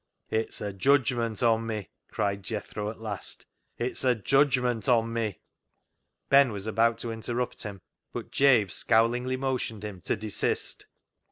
" It's a judgment on me," cried Jethro at last. *' It's a judgment on me." Ben was about to interrupt him, but Jabe scowlingly motioned him to desist.